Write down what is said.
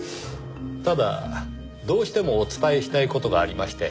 ただどうしてもお伝えしたい事がありまして。